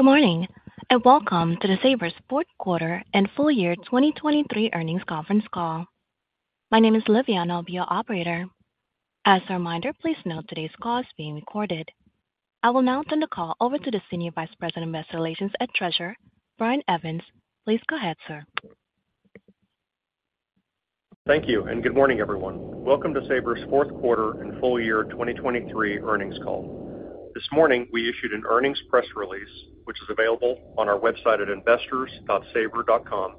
Good morning and welcome to the Sabre's Fourth Quarter and Full Year 2023 Earnings Conference call. My name is Livia, and I'll be your operator. As a reminder, please note today's call is being recorded. I will now turn the call over to the Senior Vice President of Investor Relations and Treasurer, Brian Evans. Please go ahead, sir. Thank you, and good morning, everyone. Welcome to Sabre's Fourth Quarter and Full Year 2023 Earnings Call. This morning we issued an earnings press release, which is available on our website at investors.sabre.com.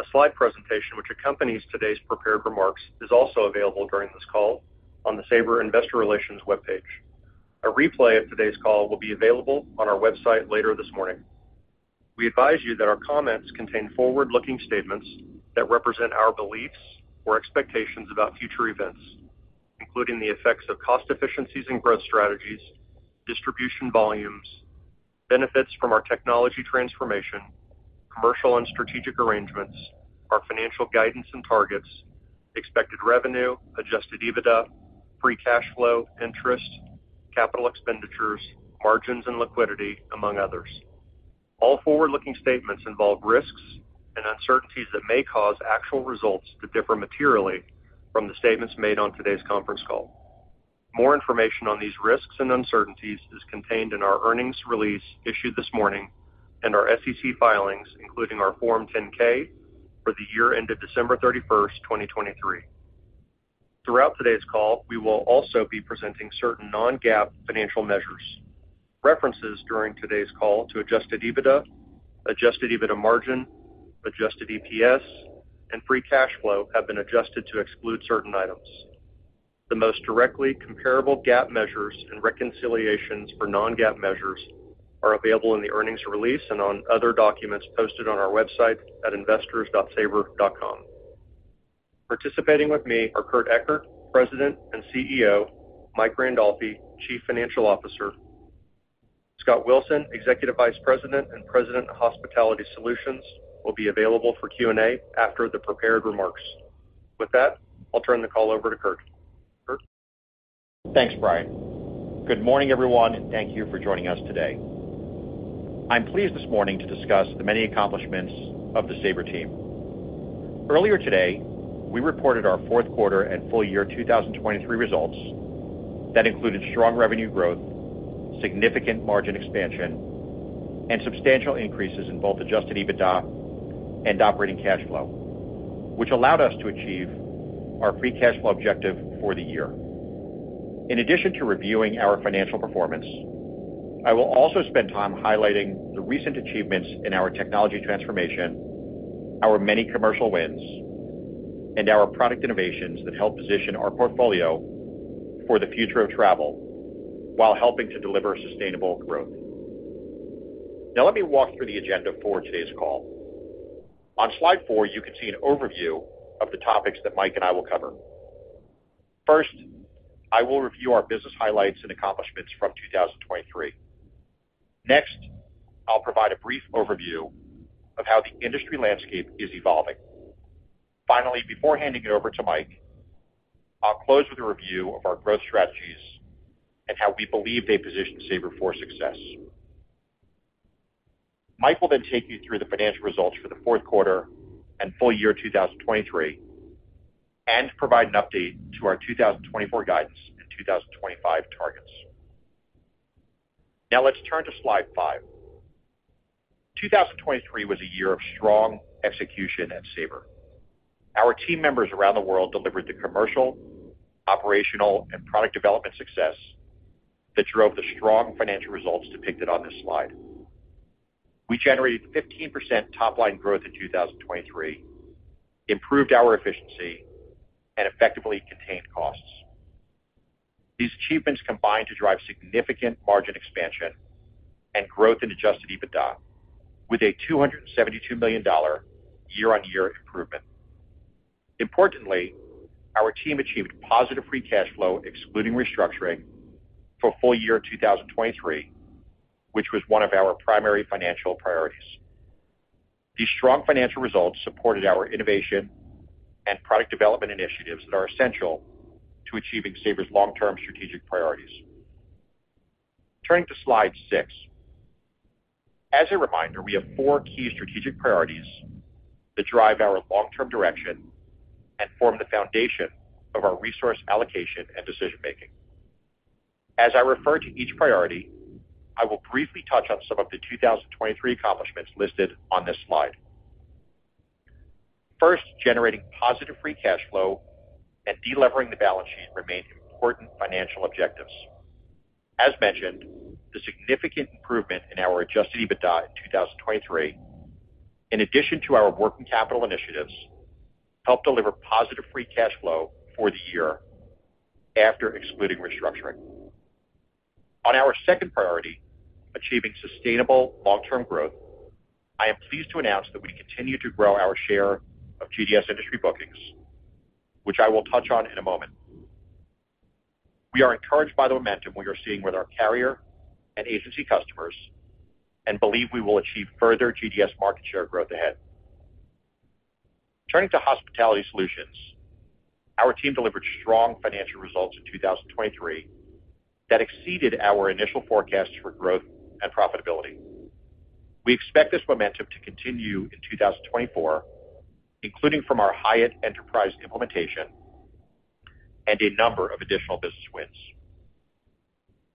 A slide presentation which accompanies today's prepared remarks is also available during this call on the Sabre Investor Relations webpage. A replay of today's call will be available on our website later this morning. We advise you that our comments contain forward-looking statements that represent our beliefs or expectations about future events, including the effects of cost efficiencies and growth strategies, distribution volumes, benefits from our technology transformation, commercial and strategic arrangements, our financial guidance and targets, expected revenue, Adjusted EBITDA, free cash flow, interest, capital expenditures, margins, and liquidity, among others. All forward-looking statements involve risks and uncertainties that may cause actual results to differ materially from the statements made on today's conference call. More information on these risks and uncertainties is contained in our earnings release issued this morning and our SEC filings, including our Form 10-K for the year ended December 31, 2023. Throughout today's call, we will also be presenting certain non-GAAP financial measures. References during today's call to adjusted EBITDA, adjusted EBITDA margin, adjusted EPS, and free cash flow have been adjusted to exclude certain items. The most directly comparable GAAP measures and reconciliations for non-GAAP measures are available in the earnings release and on other documents posted on our website at investors.sabre.com. Participating with me are Kurt Ekert, President and CEO, Mike Randolfi, Chief Financial Officer, Scott Wilson, Executive Vice President and President of Hospitality Solutions, who will be available for Q&A after the prepared remarks. With that, I'll turn the call over to Kurt. Thanks, Brian. Good morning, everyone, and thank you for joining us today. I'm pleased this morning to discuss the many accomplishments of the Sabre team. Earlier today, we reported our Fourth Quarter and Full Year 2023 results that included strong revenue growth, significant margin expansion, and substantial increases in both Adjusted EBITDA and operating cash flow, which allowed us to achieve our Free Cash Flow objective for the year. In addition to reviewing our financial performance, I will also spend time highlighting the recent achievements in our technology transformation, our many commercial wins, and our product innovations that help position our portfolio for the future of travel while helping to deliver sustainable growth. Now let me walk through the agenda for today's call. On slide 4, you can see an overview of the topics that Mike and I will cover. First, I will review our business highlights and accomplishments from 2023. Next, I'll provide a brief overview of how the industry landscape is evolving. Finally, before handing it over to Mike, I'll close with a review of our growth strategies and how we believe they position Sabre for success. Mike will then take you through the financial results for the Fourth Quarter and Full Year 2023 and provide an update to our 2024 guidance and 2025 targets. Now let's turn to slide 5. 2023 was a year of strong execution at Sabre. Our team members around the world delivered the commercial, operational, and product development success that drove the strong financial results depicted on this slide. We generated 15% top-line growth in 2023, improved our efficiency, and effectively contained costs. These achievements combined to drive significant margin expansion and growth in Adjusted EBITDA, with a $272 million year-on-year improvement. Importantly, our team achieved positive Free Cash Flow excluding restructuring for full year 2023, which was one of our primary financial priorities. These strong financial results supported our innovation and product development initiatives that are essential to achieving Sabre's long-term strategic priorities. Turning to slide 6. As a reminder, we have four key strategic priorities that drive our long-term direction and form the foundation of our resource allocation and decision-making. As I refer to each priority, I will briefly touch on some of the 2023 accomplishments listed on this slide. First, generating positive Free Cash Flow and delevering the balance sheet remain important financial objectives. As mentioned, the significant improvement in our Adjusted EBITDA in 2023, in addition to our working capital initiatives, helped deliver positive Free Cash Flow for the year after excluding restructuring. On our second priority, achieving sustainable long-term growth, I am pleased to announce that we continue to grow our share of GDS industry bookings, which I will touch on in a moment. We are encouraged by the momentum we are seeing with our carrier and agency customers and believe we will achieve further GDS market share growth ahead. Turning to Hospitality Solutions. Our team delivered strong financial results in 2023 that exceeded our initial forecasts for growth and profitability. We expect this momentum to continue in 2024, including from our Hyatt Enterprise implementation and a number of additional business wins.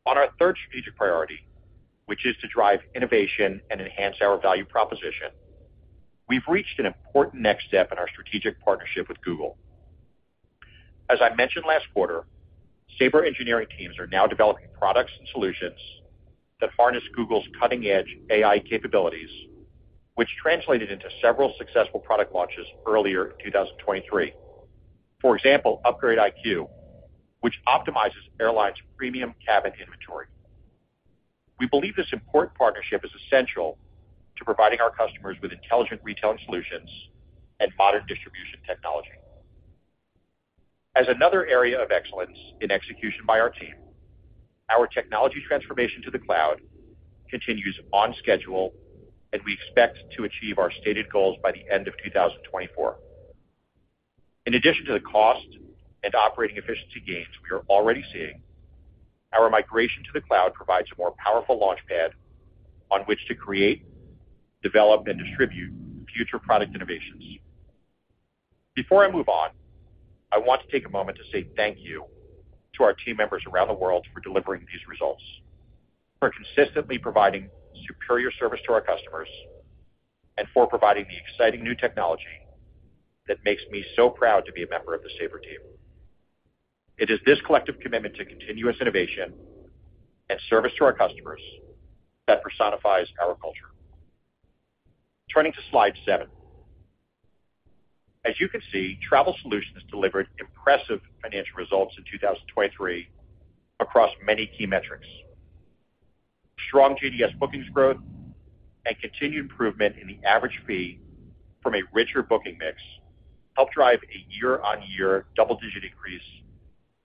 On our third strategic priority, which is to drive innovation and enhance our value proposition, we've reached an important next step in our strategic partnership with Google. As I mentioned last quarter, Sabre engineering teams are now developing products and solutions that harness Google's cutting-edge AI capabilities, which translated into several successful product launches earlier in 2023. For example, Upgrade IQ, which optimizes airlines' premium cabin inventory. We believe this important partnership is essential to providing our customers with intelligent retailing solutions and modern distribution technology. As another area of excellence in execution by our team, our technology transformation to the cloud continues on schedule, and we expect to achieve our stated goals by the end of 2024. In addition to the cost and operating efficiency gains we are already seeing, our migration to the cloud provides a more powerful launchpad on which to create, develop, and distribute future product innovations. Before I move on, I want to take a moment to say thank you to our team members around the world for delivering these results, for consistently providing superior service to our customers, and for providing the exciting new technology that makes me so proud to be a member of the Sabre team. It is this collective commitment to continuous innovation and service to our customers that personifies our culture. Turning to slide 7. As you can see, Travel Solutions delivered impressive financial results in 2023 across many key metrics. Strong GDS bookings growth and continued improvement in the average fee from a richer booking mix helped drive a year-on-year double-digit increase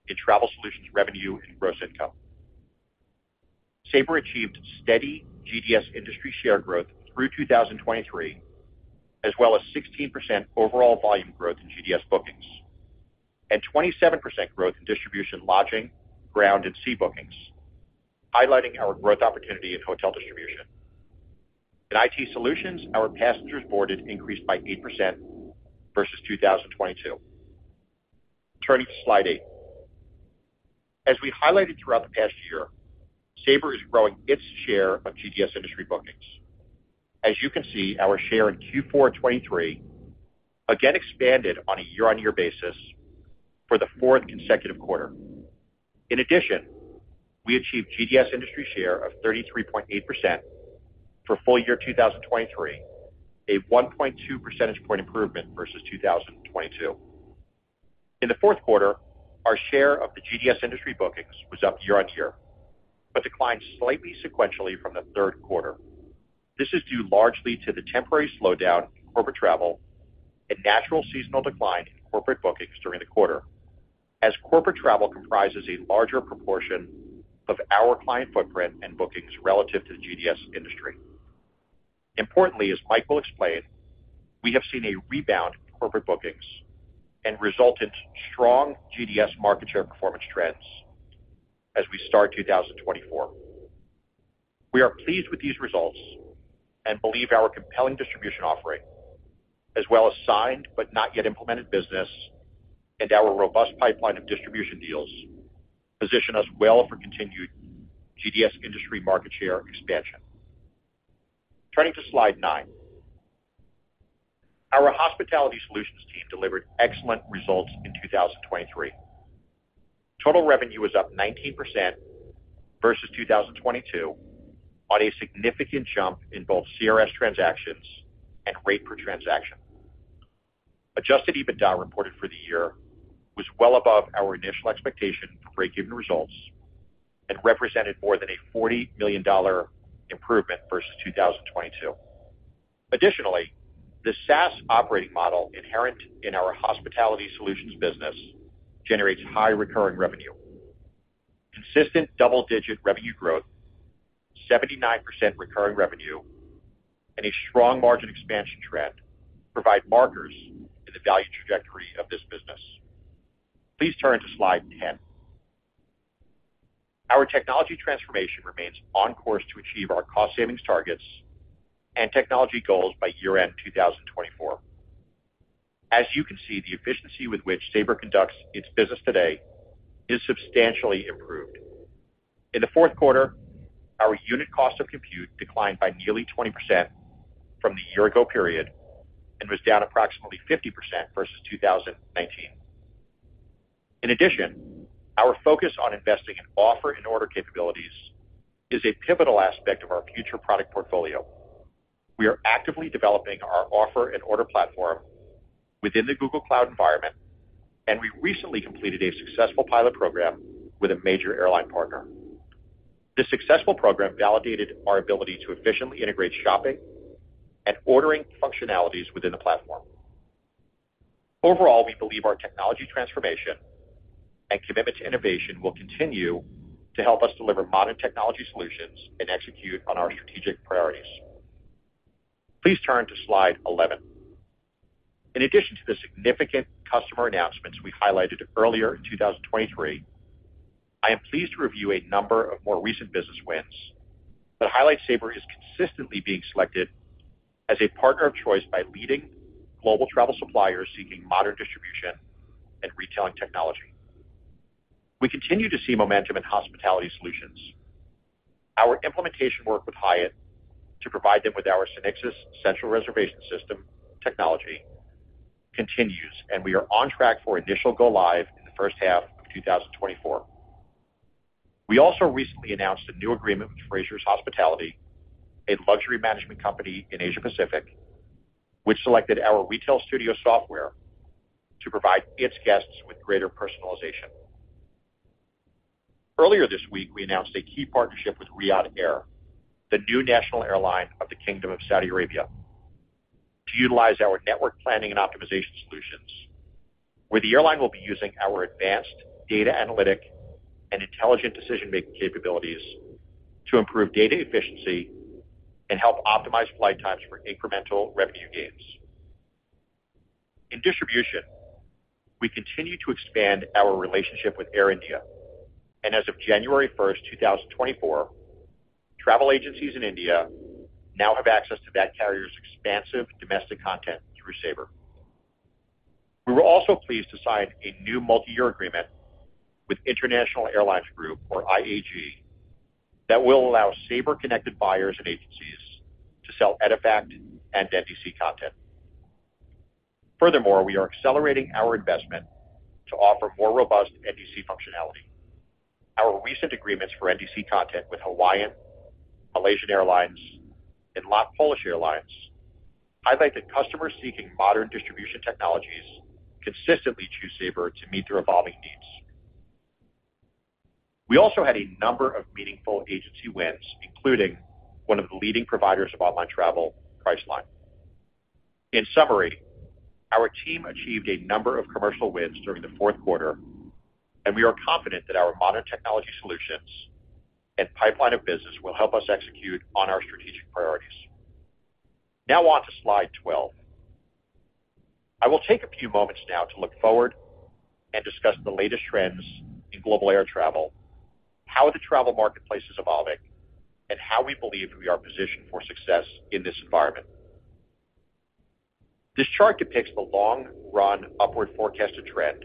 in Travel Solutions revenue and gross income. Sabre achieved steady GDS industry share growth through 2023, as well as 16% overall volume growth in GDS bookings and 27% growth in distribution lodging, ground, and sea bookings, highlighting our growth opportunity in hotel distribution. In IT Solutions, our passengers boarded increased by 8% versus 2022. Turning to slide 8. As we highlighted throughout the past year, Sabre is growing its share of GDS industry bookings. As you can see, our share in Q4 of 2023 again expanded on a year-on-year basis for the fourth consecutive quarter. In addition, we achieved GDS industry share of 33.8% for full year 2023, a 1.2 percentage point improvement versus 2022. In the fourth quarter, our share of the GDS industry bookings was up year-on-year but declined slightly sequentially from the third quarter. This is due largely to the temporary slowdown in corporate travel and natural seasonal decline in corporate bookings during the quarter, as corporate travel comprises a larger proportion of our client footprint and bookings relative to the GDS industry. Importantly, as Mike will explain, we have seen a rebound in corporate bookings and resultant strong GDS market share performance trends as we start 2024. We are pleased with these results and believe our compelling distribution offering, as well as signed but not yet implemented business, and our robust pipeline of distribution deals position us well for continued GDS industry market share expansion. Turning to slide 9. Our Hospitality Solutions team delivered excellent results in 2023. Total revenue was up 19% versus 2022, on a significant jump in both CRS transactions and rate per transaction. Adjusted EBITDA reported for the year was well above our initial expectation for break-even results and represented more than a $40 million improvement versus 2022. Additionally, the SaaS operating model inherent in our Hospitality Solutions business generates high recurring revenue. Consistent double-digit revenue growth, 79% recurring revenue, and a strong margin expansion trend provide markers in the value trajectory of this business. Please turn to slide 10. Our technology transformation remains on course to achieve our cost-savings targets and technology goals by year-end 2024. As you can see, the efficiency with which Sabre conducts its business today is substantially improved. In the fourth quarter, our unit cost of compute declined by nearly 20% from the year-ago period and was down approximately 50% versus 2019. In addition, our focus on investing in offer-and-order capabilities is a pivotal aspect of our future product portfolio. We are actively developing our offer-and-order platform within the Google Cloud environment, and we recently completed a successful pilot program with a major airline partner. This successful program validated our ability to efficiently integrate shopping and ordering functionalities within the platform. Overall, we believe our technology transformation and commitment to innovation will continue to help us deliver modern technology solutions and execute on our strategic priorities. Please turn to slide 11. In addition to the significant customer announcements we highlighted earlier in 2023, I am pleased to review a number of more recent business wins that highlight Sabre as consistently being selected as a partner of choice by leading global travel suppliers seeking modern distribution and retailing technology. We continue to see momentum in Hospitality Solutions. Our implementation work with Hyatt to provide them with our SynXis Central Reservation System technology continues, and we are on track for initial go-live in the first half of 2024. We also recently announced a new agreement with Frasers Hospitality, a luxury management company in Asia-Pacific, which selected our Retail Studio software to provide its guests with greater personalization. Earlier this week, we announced a key partnership with Riyadh Air, the new national airline of the Kingdom of Saudi Arabia, to utilize our network planning and optimization solutions, where the airline will be using our advanced data analytic and intelligent decision-making capabilities to improve data efficiency and help optimize flight times for incremental revenue gains. In distribution, we continue to expand our relationship with Air India, and as of January 1, 2024, travel agencies in India now have access to that carrier's expansive domestic content through Sabre. We were also pleased to sign a new multi-year agreement with International Airlines Group, or IAG, that will allow Sabre-connected buyers and agencies to sell EDIFACT and NDC content. Furthermore, we are accelerating our investment to offer more robust NDC functionality. Our recent agreements for NDC content with Hawaiian, Malaysia Airlines, and LOT Polish Airlines highlight that customers seeking modern distribution technologies consistently choose Sabre to meet their evolving needs. We also had a number of meaningful agency wins, including one of the leading providers of online travel, Priceline. In summary, our team achieved a number of commercial wins during the fourth quarter, and we are confident that our modern technology solutions and pipeline of business will help us execute on our strategic priorities. Now on to slide 12. I will take a few moments now to look forward and discuss the latest trends in global air travel, how the travel marketplace is evolving, and how we believe we are positioned for success in this environment. This chart depicts the long-run upward forecasted trend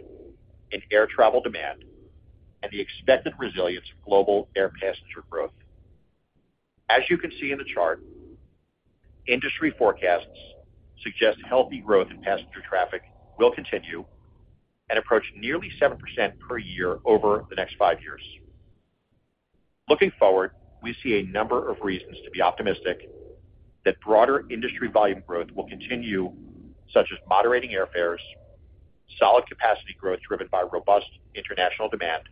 in air travel demand and the expected resilience of global air passenger growth. As you can see in the chart, industry forecasts suggest healthy growth in passenger traffic will continue and approach nearly 7% per year over the next 5 years. Looking forward, we see a number of reasons to be optimistic that broader industry volume growth will continue, such as moderating airfares, solid capacity growth driven by robust international demand,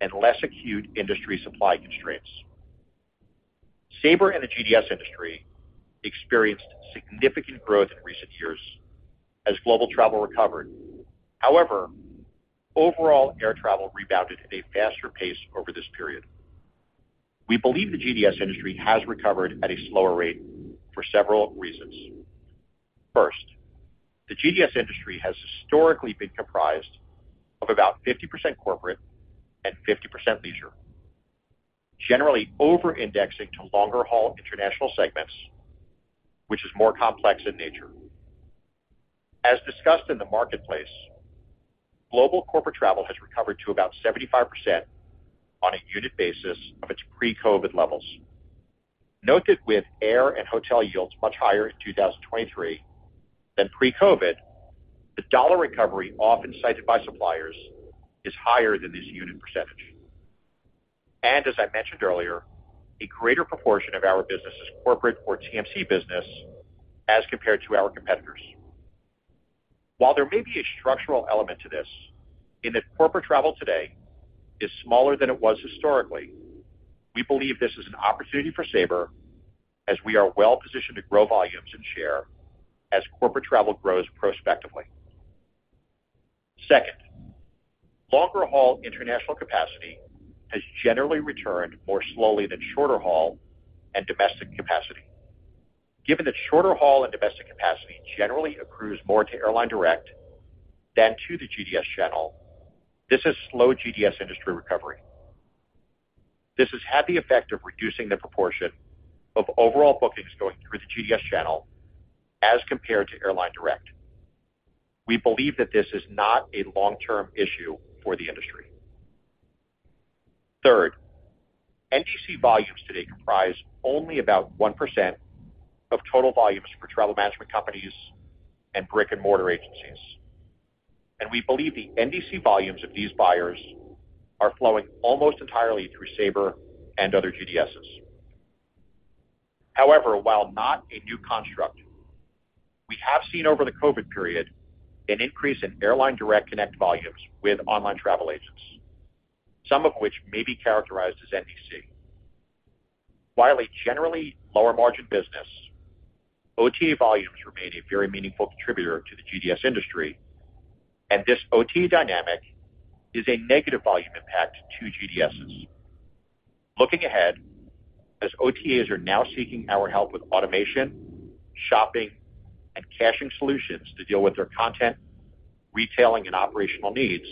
and less acute industry supply constraints. Sabre and the GDS industry experienced significant growth in recent years as global travel recovered. However, overall air travel rebounded at a faster pace over this period. We believe the GDS industry has recovered at a slower rate for several reasons. First, the GDS industry has historically been comprised of about 50% corporate and 50% leisure, generally over-indexing to longer-haul international segments, which is more complex in nature. As discussed in the marketplace, global corporate travel has recovered to about 75% on a unit basis of its pre-COVID levels. Note that with air and hotel yields much higher in 2023 than pre-COVID, the dollar recovery often cited by suppliers is higher than this unit percentage. As I mentioned earlier, a greater proportion of our business is corporate or TMC business as compared to our competitors. While there may be a structural element to this, in that corporate travel today is smaller than it was historically, we believe this is an opportunity for Sabre as we are well positioned to grow volumes and share as corporate travel grows prospectively. Second, longer-haul international capacity has generally returned more slowly than shorter-haul and domestic capacity. Given that shorter-haul and domestic capacity generally accrues more to airline direct than to the GDS channel, this is slow GDS industry recovery. This has had the effect of reducing the proportion of overall bookings going through the GDS channel as compared to airline direct. We believe that this is not a long-term issue for the industry. Third, NDC volumes today comprise only about 1% of total volumes for travel management companies and brick-and-mortar agencies, and we believe the NDC volumes of these buyers are flowing almost entirely through Sabre and other GDSs. However, while not a new construct, we have seen over the COVID period an increase in airline direct-connect volumes with online travel agents, some of which may be characterized as NDC. While a generally lower-margin business, OTA volumes remain a very meaningful contributor to the GDS industry, and this OTA dynamic is a negative volume impact to GDSs. Looking ahead, as OTAs are now seeking our help with automation, shopping, and caching solutions to deal with their content, retailing, and operational needs,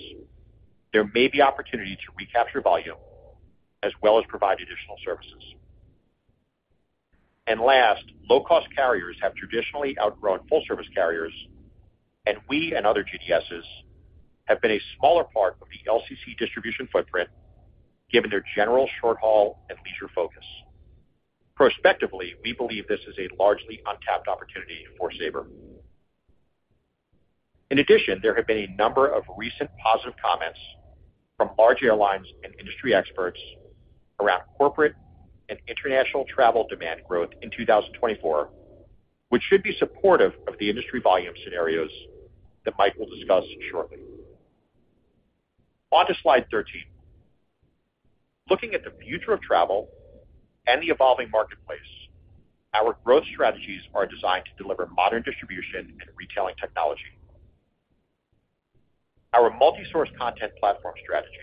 there may be opportunity to recapture volume as well as provide additional services. And last, low-cost carriers have traditionally outgrown full-service carriers, and we and other GDSs have been a smaller part of the LCC distribution footprint given their general short-haul and leisure focus. Prospectively, we believe this is a largely untapped opportunity for Sabre. In addition, there have been a number of recent positive comments from large airlines and industry experts around corporate and international travel demand growth in 2024, which should be supportive of the industry volume scenarios that Mike will discuss shortly. On to slide 13. Looking at the future of travel and the evolving marketplace, our growth strategies are designed to deliver modern distribution and retailing technology. Our multi-source content platform strategy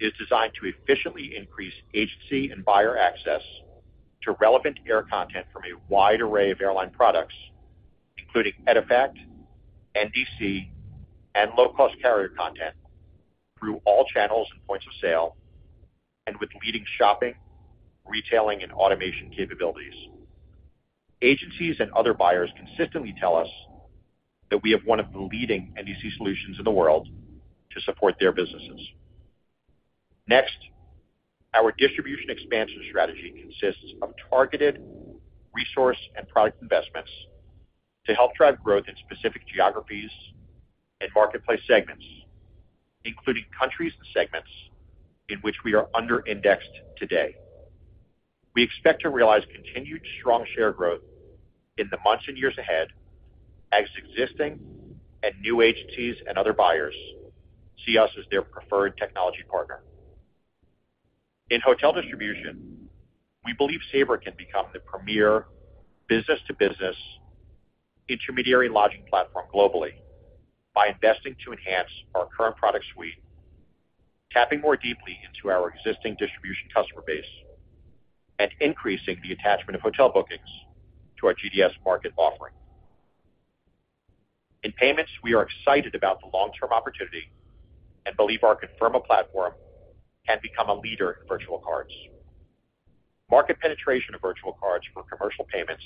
is designed to efficiently increase agency and buyer access to relevant air content from a wide array of airline products, including EDIFACT, NDC, and low-cost carrier content, through all channels and points of sale, and with leading shopping, retailing, and automation capabilities. Agencies and other buyers consistently tell us that we have one of the leading NDC solutions in the world to support their businesses. Next, our distribution expansion strategy consists of targeted resource and product investments to help drive growth in specific geographies and marketplace segments, including countries and segments in which we are under-indexed today. We expect to realize continued strong share growth in the months and years ahead as existing and new agencies and other buyers see us as their preferred technology partner. In hotel distribution, we believe Sabre can become the premier business-to-business intermediary lodging platform globally by investing to enhance our current product suite, tapping more deeply into our existing distribution customer base, and increasing the attachment of hotel bookings to our GDS market offering. In payments, we are excited about the long-term opportunity and believe our Conferma platform can become a leader in virtual cards. Market penetration of virtual cards for commercial payments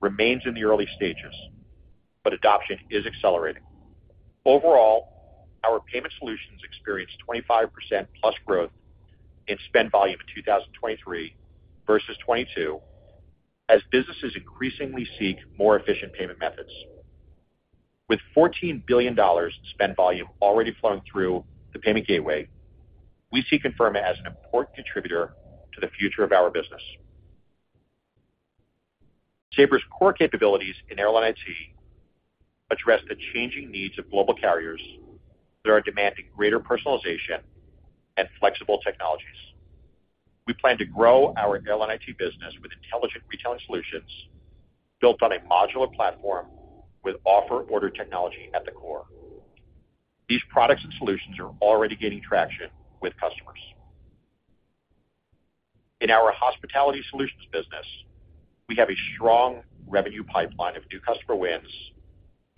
remains in the early stages, but adoption is accelerating. Overall, our payment solutions experienced 25%+ growth in spend volume in 2023 versus 2022 as businesses increasingly seek more efficient payment methods. With $14 billion spend volume already flowing through the payment gateway, we see Conferma as an important contributor to the future of our business. Sabre's core capabilities in airline IT address the changing needs of global carriers that are demanding greater personalization and flexible technologies. We plan to grow our airline IT business with intelligent retailing solutions built on a modular platform with offer-order technology at the core. These products and solutions are already gaining traction with customers. In our Hospitality Solutions business, we have a strong revenue pipeline of new customer wins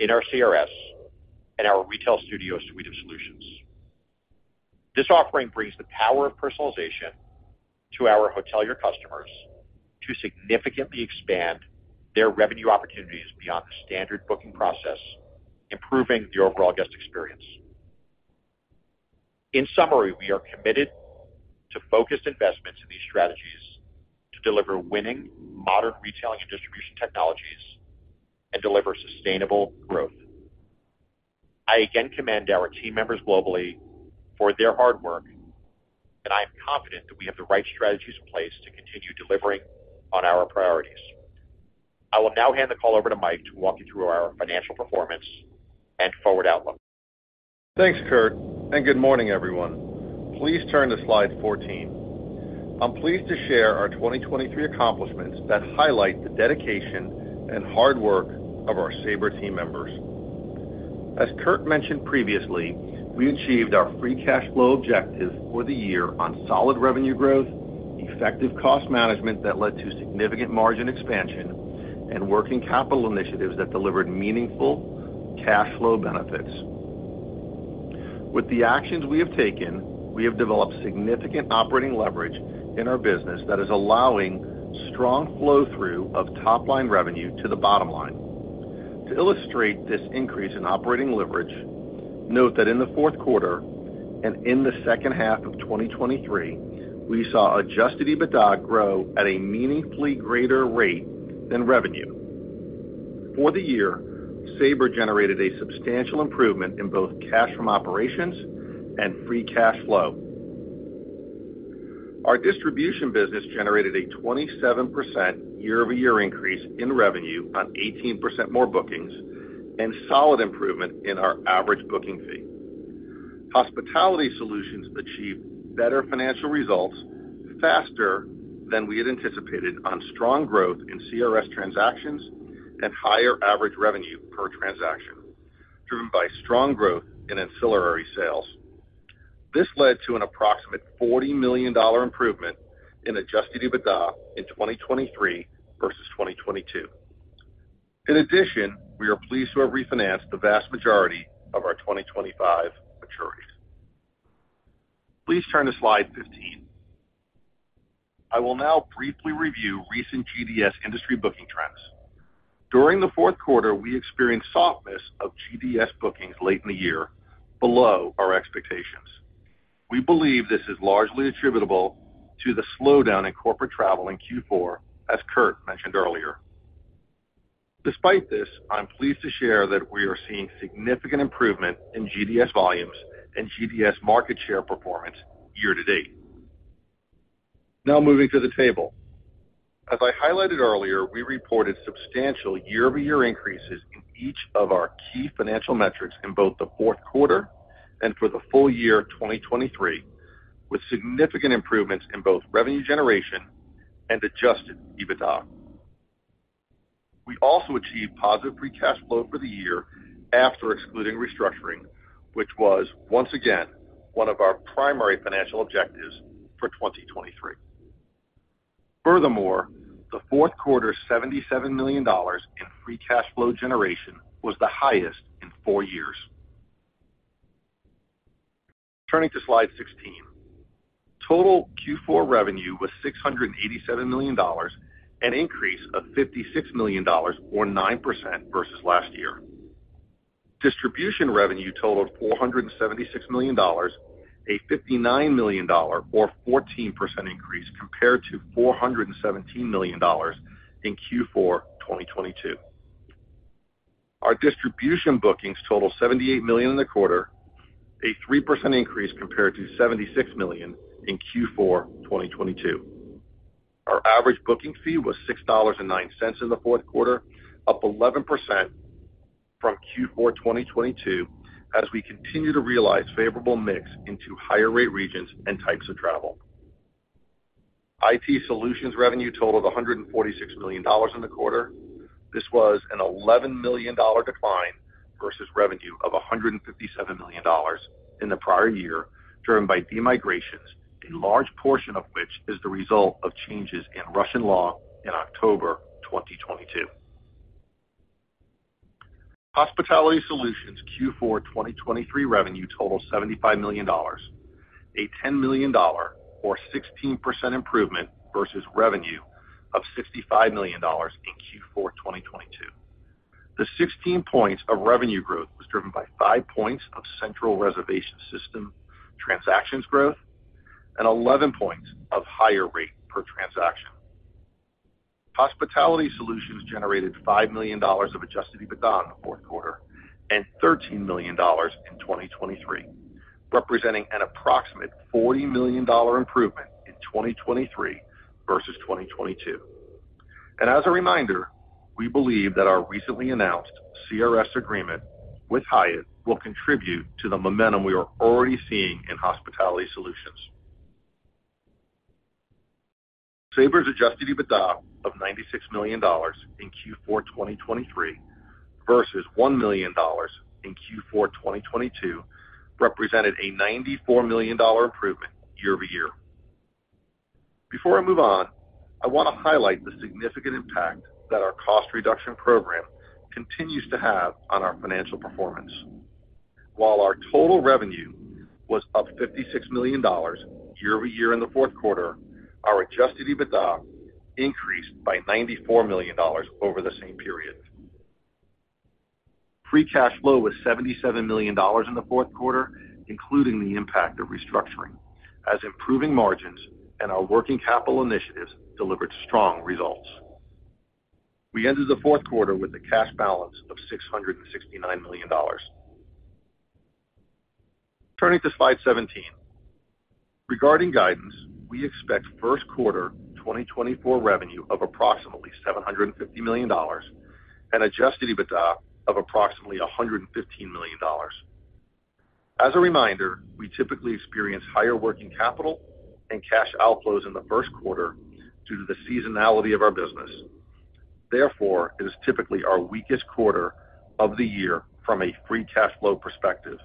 in our CRS and our Retail Studio suite of solutions. This offering brings the power of personalization to our hotelier customers to significantly expand their revenue opportunities beyond the standard booking process, improving the overall guest experience. In summary, we are committed to focused investments in these strategies to deliver winning modern retailing and distribution technologies and deliver sustainable growth. I again commend our team members globally for their hard work, and I am confident that we have the right strategies in place to continue delivering on our priorities. I will now hand the call over to Mike to walk you through our financial performance and forward outlook. Thanks, Kurt, and good morning, everyone. Please turn to slide 14. I'm pleased to share our 2023 accomplishments that highlight the dedication and hard work of our Sabre team members. As Kurt mentioned previously, we achieved our free cash flow objective for the year on solid revenue growth, effective cost management that led to significant margin expansion, and working capital initiatives that delivered meaningful cash flow benefits. With the actions we have taken, we have developed significant operating leverage in our business that is allowing strong flow-through of top-line revenue to the bottom line. To illustrate this increase in operating leverage, note that in the fourth quarter and in the second half of 2023, we saw Adjusted EBITDA grow at a meaningfully greater rate than revenue. For the year, Sabre generated a substantial improvement in both cash from operations and free cash flow. Our distribution business generated a 27% year-over-year increase in revenue on 18% more bookings and solid improvement in our average booking fee. Hospitality Solutions achieved better financial results faster than we had anticipated on strong growth in CRS transactions and higher average revenue per transaction, driven by strong growth in ancillary sales. This led to an approximate $40 million improvement in Adjusted EBITDA in 2023 versus 2022. In addition, we are pleased to have refinanced the vast majority of our 2025 maturities. Please turn to slide 15. I will now briefly review recent GDS industry booking trends. During the fourth quarter, we experienced softness of GDS bookings late in the year below our expectations. We believe this is largely attributable to the slowdown in corporate travel in Q4, as Kurt mentioned earlier. Despite this, I'm pleased to share that we are seeing significant improvement in GDS volumes and GDS market share performance year-to-date. Now moving to the table. As I highlighted earlier, we reported substantial year-over-year increases in each of our key financial metrics in both the fourth quarter and for the full year 2023, with significant improvements in both revenue generation and Adjusted EBITDA. We also achieved positive free cash flow for the year after excluding restructuring, which was, once again, one of our primary financial objectives for 2023. Furthermore, the fourth quarter's $77 million in free cash flow generation was the highest in four years. Turning to slide 16. Total Q4 revenue was $687 million, an increase of $56 million or 9% versus last year. Distribution revenue totaled $476 million, a $59 million or 14% increase compared to $417 million in Q4 2022. Our distribution bookings totaled $78 million in the quarter, a 3% increase compared to $76 million in Q4 2022. Our average booking fee was $6.09 in the fourth quarter, up 11% from Q4 2022 as we continue to realize favorable mix into higher-rate regions and types of travel. IT Solutions revenue totaled $146 million in the quarter. This was an $11 million decline versus revenue of $157 million in the prior year, driven by demigrations, a large portion of which is the result of changes in Russian law in October 2022. Hospitality Solutions Q4 2023 revenue totaled $75 million, a $10 million or 16% improvement versus revenue of $65 million in Q4 2022. The 16 points of revenue growth was driven by 5 points of Central Reservation System transactions growth and 11 points of higher rate per transaction. Hospitality Solutions generated $5 million of adjusted EBITDA in the fourth quarter and $13 million in 2023, representing an approximate $40 million improvement in 2023 versus 2022. As a reminder, we believe that our recently announced CRS agreement with Hyatt will contribute to the momentum we are already seeing in Hospitality Solutions. Sabre's adjusted EBITDA of $96 million in Q4 2023 versus $1 million in Q4 2022 represented a $94 million improvement year-over-year. Before I move on, I want to highlight the significant impact that our cost reduction program continues to have on our financial performance. While our total revenue was up $56 million year-over-year in the fourth quarter, our adjusted EBITDA increased by $94 million over the same period. Free cash flow was $77 million in the fourth quarter, including the impact of restructuring, as improving margins and our working capital initiatives delivered strong results. We ended the fourth quarter with a cash balance of $669 million. Turning to slide 17. Regarding guidance, we expect first quarter 2024 revenue of approximately $750 million and Adjusted EBITDA of approximately $115 million. As a reminder, we typically experience higher working capital and cash outflows in the first quarter due to the seasonality of our business. Therefore, it is typically our weakest quarter of the year from a free cash flow perspective.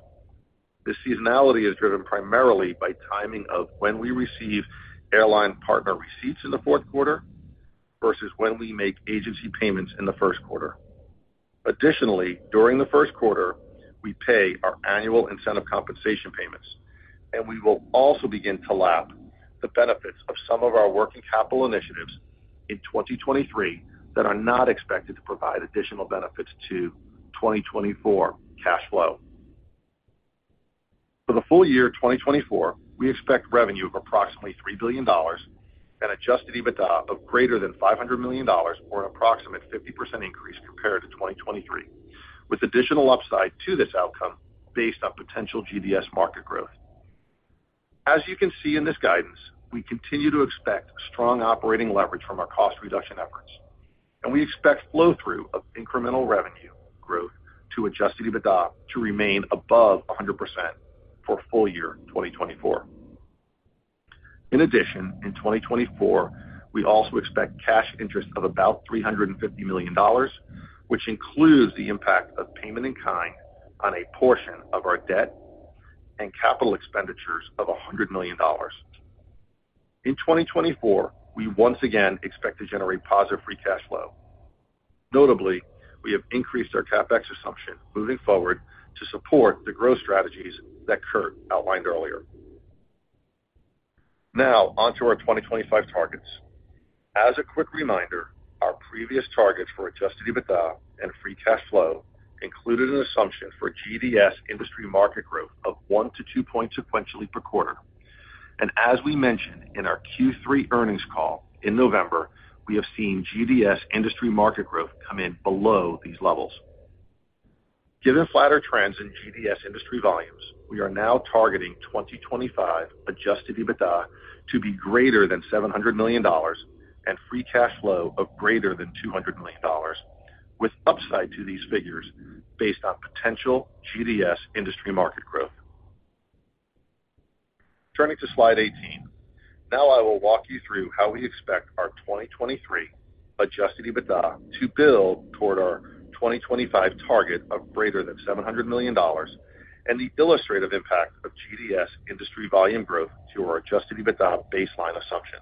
This seasonality is driven primarily by timing of when we receive airline partner receipts in the fourth quarter versus when we make agency payments in the first quarter. Additionally, during the first quarter, we pay our annual incentive compensation payments, and we will also begin to lap the benefits of some of our working capital initiatives in 2023 that are not expected to provide additional benefits to 2024 cash flow. For the full year 2024, we expect revenue of approximately $3 billion and Adjusted EBITDA of greater than $500 million or an approximate 50% increase compared to 2023, with additional upside to this outcome based on potential GDS market growth. As you can see in this guidance, we continue to expect strong operating leverage from our cost reduction efforts, and we expect flow-through of incremental revenue growth to Adjusted EBITDA to remain above 100% for full year 2024. In addition, in 2024, we also expect cash interest of about $350 million, which includes the impact of payment in kind on a portion of our debt and capital expenditures of $100 million. In 2024, we once again expect to generate positive free cash flow. Notably, we have increased our CapEx assumption moving forward to support the growth strategies that Kurt outlined earlier. Now onto our 2025 targets. As a quick reminder, our previous targets for Adjusted EBITDA and free cash flow included an assumption for GDS industry market growth of 1-2 points sequentially per quarter. As we mentioned in our Q3 earnings call in November, we have seen GDS industry market growth come in below these levels. Given flatter trends in GDS industry volumes, we are now targeting 2025 Adjusted EBITDA to be greater than $700 million and Free Cash Flow of greater than $200 million, with upside to these figures based on potential GDS industry market growth. Turning to slide 18. Now I will walk you through how we expect our 2023 Adjusted EBITDA to build toward our 2025 target of greater than $700 million and the illustrative impact of GDS industry volume growth to our Adjusted EBITDA baseline assumption.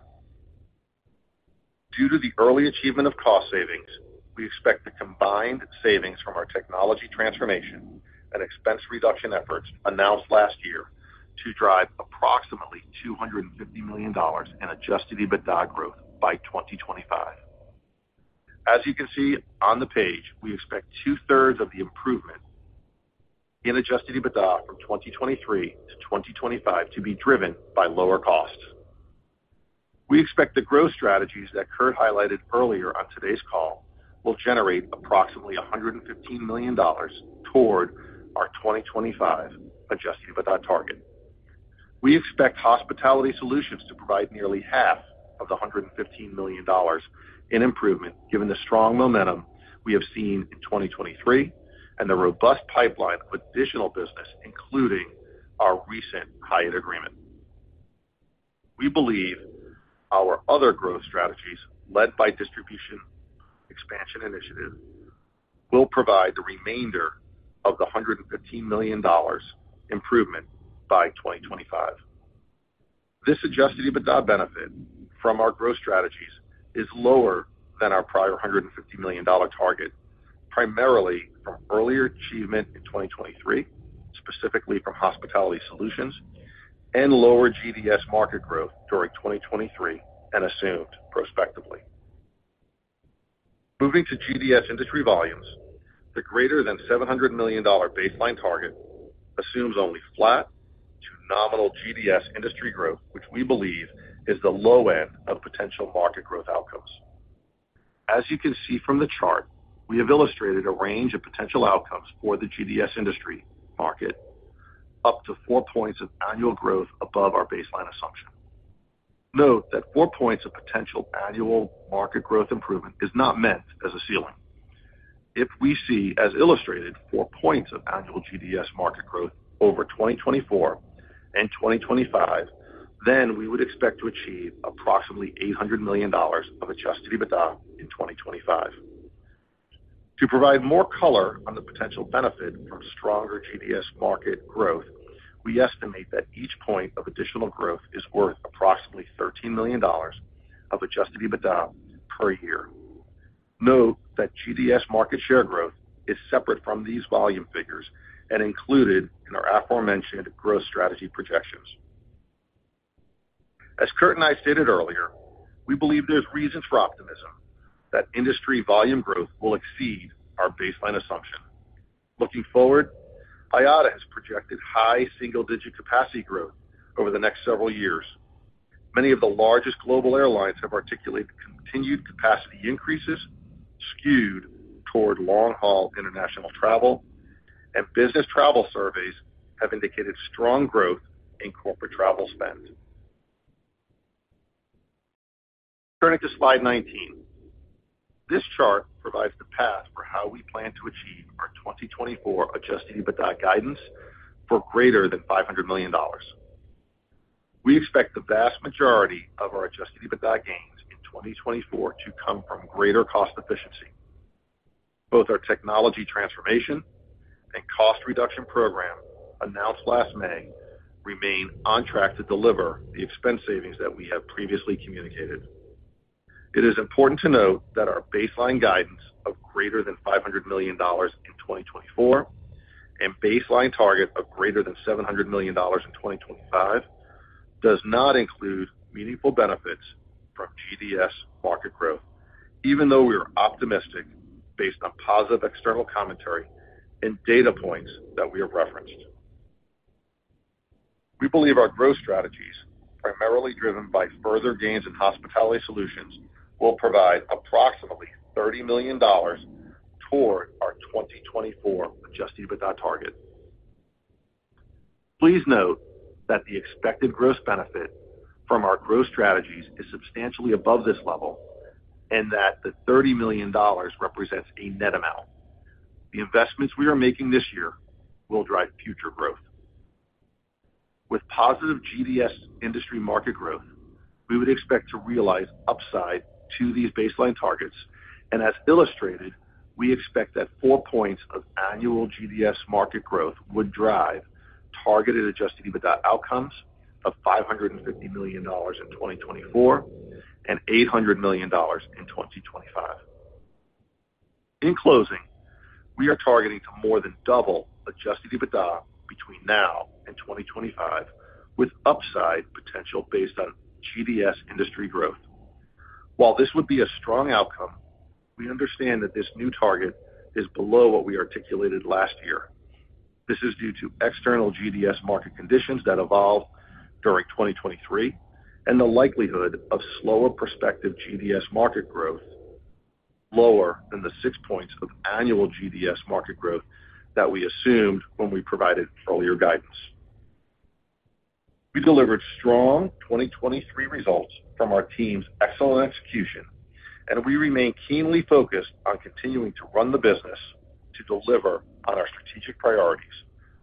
Due to the early achievement of cost savings, we expect the combined savings from our technology transformation and expense reduction efforts announced last year to drive approximately $250 million in Adjusted EBITDA growth by 2025. As you can see on the page, we expect two-thirds of the improvement in Adjusted EBITDA from 2023 to 2025 to be driven by lower costs. We expect the growth strategies that Kurt highlighted earlier on today's call will generate approximately $115 million toward our 2025 Adjusted EBITDA target. We expect Hospitality Solutions to provide nearly half of the $115 million in improvement given the strong momentum we have seen in 2023 and the robust pipeline of additional business, including our recent Hyatt agreement. We believe our other growth strategies led by distribution expansion initiative will provide the remainder of the $115 million improvement by 2025. This Adjusted EBITDA benefit from our growth strategies is lower than our prior $150 million target, primarily from earlier achievement in 2023, specifically from Hospitality Solutions, and lower GDS market growth during 2023 and assumed prospectively. Moving to GDS industry volumes, the greater than $700 million baseline target assumes only flat to nominal GDS industry growth, which we believe is the low end of potential market growth outcomes. As you can see from the chart, we have illustrated a range of potential outcomes for the GDS industry market, up to 4 points of annual growth above our baseline assumption. Note that 4 points of potential annual market growth improvement is not meant as a ceiling. If we see, as illustrated, 4 points of annual GDS market growth over 2024 and 2025, then we would expect to achieve approximately $800 million of Adjusted EBITDA in 2025. To provide more color on the potential benefit from stronger GDS market growth, we estimate that each point of additional growth is worth approximately $13 million of Adjusted EBITDA per year. Note that GDS market share growth is separate from these volume figures and included in our aforementioned growth strategy projections. As Kurt and I stated earlier, we believe there's reasons for optimism that industry volume growth will exceed our baseline assumption. Looking forward, IATA has projected high single-digit capacity growth over the next several years. Many of the largest global airlines have articulated continued capacity increases skewed toward long-haul international travel, and business travel surveys have indicated strong growth in corporate travel spend. Turning to slide 19. This chart provides the path for how we plan to achieve our 2024 Adjusted EBITDA guidance for greater than $500 million. We expect the vast majority of our Adjusted EBITDA gains in 2024 to come from greater cost efficiency. Both our technology transformation and cost reduction program announced last May remain on track to deliver the expense savings that we have previously communicated. It is important to note that our baseline guidance of greater than $500 million in 2024 and baseline target of greater than $700 million in 2025 does not include meaningful benefits from GDS market growth, even though we are optimistic based on positive external commentary and data points that we have referenced. We believe our growth strategies, primarily driven by further gains in Hospitality Solutions, will provide approximately $30 million toward our 2024 Adjusted EBITDA target. Please note that the expected gross benefit from our growth strategies is substantially above this level and that the $30 million represents a net amount. The investments we are making this year will drive future growth. With positive GDS industry market growth, we would expect to realize upside to these baseline targets. As illustrated, we expect that 4 points of annual GDS market growth would drive targeted adjusted EBITDA outcomes of $550 million in 2024 and $800 million in 2025. In closing, we are targeting to more than double adjusted EBITDA between now and 2025 with upside potential based on GDS industry growth. While this would be a strong outcome, we understand that this new target is below what we articulated last year. This is due to external GDS market conditions that evolved during 2023 and the likelihood of slower prospective GDS market growth, lower than the 6 points of annual GDS market growth that we assumed when we provided earlier guidance. We delivered strong 2023 results from our team's excellent execution, and we remain keenly focused on continuing to run the business to deliver on our strategic priorities,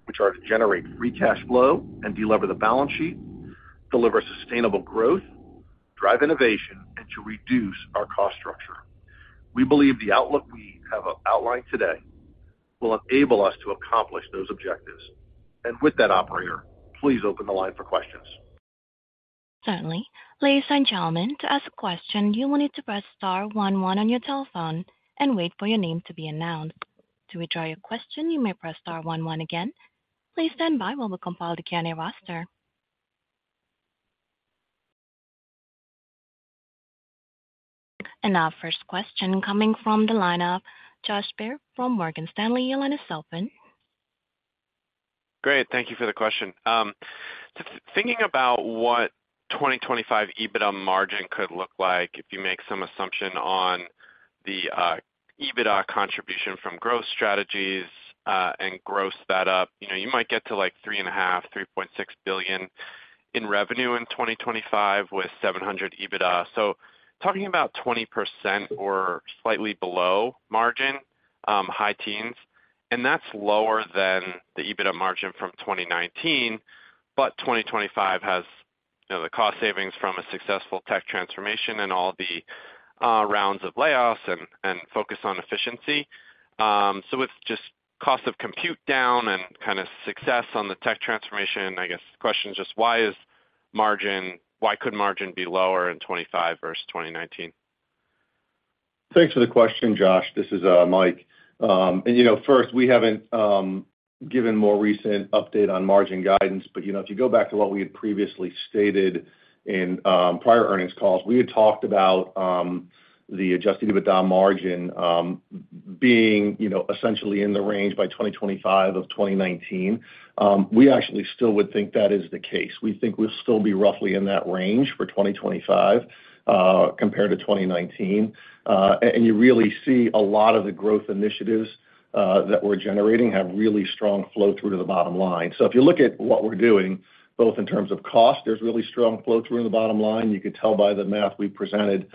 which are to generate Free Cash Flow and deliver the balance sheet, deliver sustainable growth, drive innovation, and to reduce our cost structure. We believe the outlook we have outlined today will enable us to accomplish those objectives. With that, operator, please open the line for questions. Certainly. Please press star one to ask a question. You will need to press star one on your telephone and wait for your name to be announced. To withdraw your question, you may press star one again. Please stand by while we compile the Q&A roster. Our first question coming from the lineup, Josh from Morgan Stanley, your line is open. Great. Thank you for the question. Thinking about what 2025 EBITDA margin could look like, if you make some assumption on the EBITDA contribution from growth strategies and growth setup, you might get to like $3.5-$3.6 billion in revenue in 2025 with $700 million EBITDA. So talking about 20% or slightly below margin, high teens, and that's lower than the EBITDA margin from 2019. But 2025 has the cost savings from a successful tech transformation and all the rounds of layoffs and focus on efficiency. So with just cost of compute down and kind of success on the tech transformation, I guess the question is just, why could margin be lower in 2025 versus 2019? Thanks for the question, Josh. This is Mike. First, we haven't given more recent update on margin guidance. But if you go back to what we had previously stated in prior earnings calls, we had talked about the Adjusted EBITDA margin being essentially in the range by 2025 of 2019. We actually still would think that is the case. We think we'll still be roughly in that range for 2025 compared to 2019. And you really see a lot of the growth initiatives that we're generating have really strong flow-through to the bottom line. So if you look at what we're doing, both in terms of cost, there's really strong flow-through in the bottom line. You could tell by the math we presented.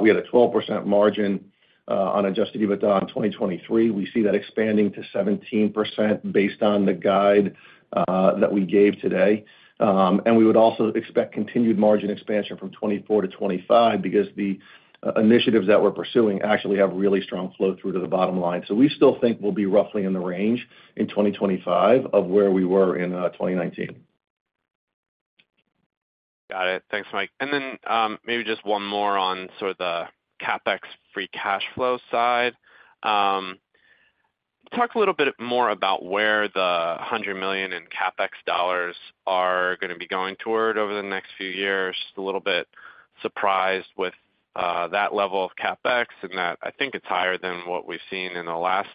We had a 12% margin on Adjusted EBITDA in 2023. We see that expanding to 17% based on the guide that we gave today. We would also expect continued margin expansion from 2024 to 2025 because the initiatives that we're pursuing actually have really strong flow-through to the bottom line. We still think we'll be roughly in the range in 2025 of where we were in 2019. Got it. Thanks, Mike. And then maybe just one more on sort of the CapEx free cash flow side. Talk a little bit more about where the $100 million in CapEx dollars are going to be going toward over the next few years. Just a little bit surprised with that level of CapEx and that I think it's higher than what we've seen in the last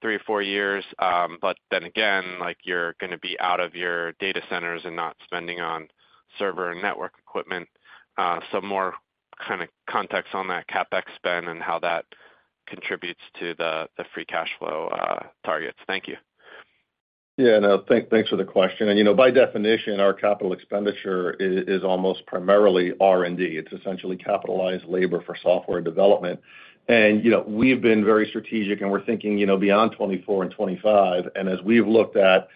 three or four years. But then again, you're going to be out of your data centers and not spending on server and network equipment. So more kind of context on that CapEx spend and how that contributes to the free cash flow targets. Thank you. Yeah. No, thanks for the question. By definition, our capital expenditure is almost primarily R&D. It's essentially capitalized labor for software development. We've been very strategic, and we're thinking beyond 2024 and 2025. As we've looked at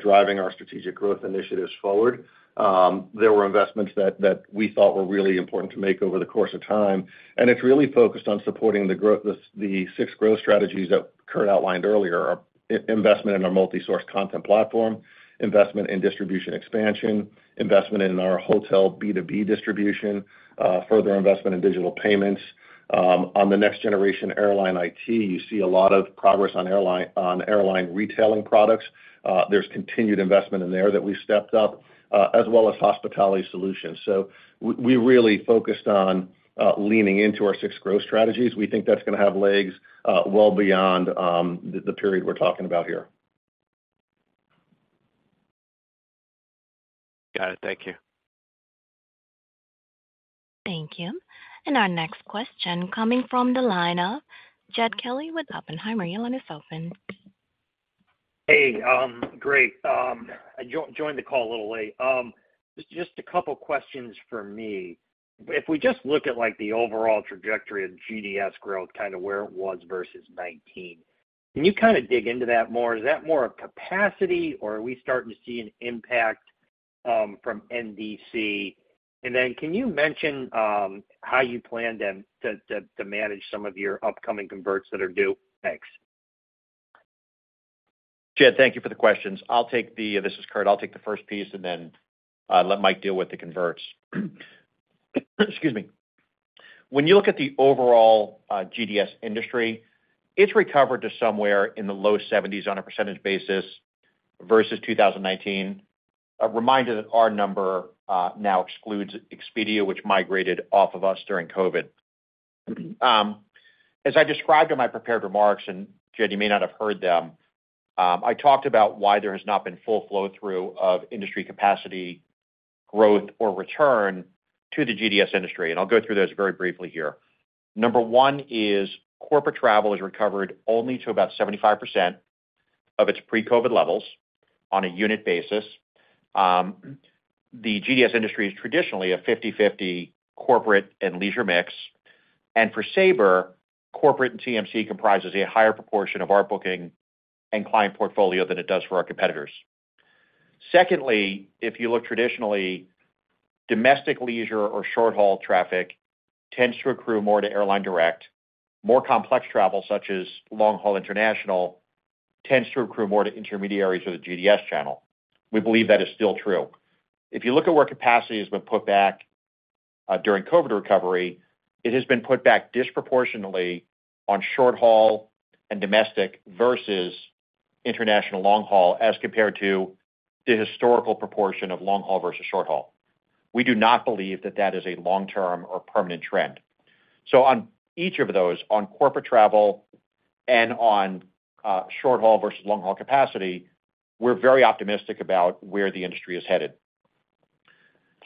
driving our strategic growth initiatives forward, there were investments that we thought were really important to make over the course of time. It's really focused on supporting the six growth strategies that Kurt outlined earlier: investment in our multi-source content platform, investment in distribution expansion, investment in our hotel B2B distribution, further investment in digital payments. On the next generation airline IT, you see a lot of progress on airline retailing products. There's continued investment in there that we stepped up, as well as Hospitality Solutions. We really focused on leaning into our six growth strategies. We think that's going to have legs well beyond the period we're talking about here. Got it. Thank you. Thank you. And our next question coming from the lineup, Jed Kelly with Oppenheimer, your line is open. Hey. Great. I joined the call a little late. Just a couple of questions for me. If we just look at the overall trajectory of GDS growth, kind of where it was versus 2019, can you kind of dig into that more? Is that more of capacity, or are we starting to see an impact from NDC? And then can you mention how you plan to manage some of your upcoming converts that are due? Thanks. Jed, thank you for the questions. This is Kurt. I'll take the first piece, and then let Mike deal with the converts. Excuse me. When you look at the overall GDS industry, it's recovered to somewhere in the low 70s% versus 2019. A reminder that our number now excludes Expedia, which migrated off of us during COVID. As I described in my prepared remarks, and Jed, you may not have heard them, I talked about why there has not been full flow-through of industry capacity growth or return to the GDS industry. I'll go through those very briefly here. Number one is corporate travel has recovered only to about 75% of its pre-COVID levels on a unit basis. The GDS industry is traditionally a 50/50 corporate and leisure mix. For Sabre, corporate and TMC comprises a higher proportion of our booking and client portfolio than it does for our competitors. Secondly, if you look traditionally, domestic leisure or short-haul traffic tends to accrue more to airline direct. More complex travel, such as long-haul international, tends to accrue more to intermediaries or the GDS channel. We believe that is still true. If you look at where capacity has been put back during COVID recovery, it has been put back disproportionately on short-haul and domestic versus international long-haul as compared to the historical proportion of long-haul versus short-haul. We do not believe that that is a long-term or permanent trend. So on each of those, on corporate travel and on short-haul versus long-haul capacity, we're very optimistic about where the industry is headed.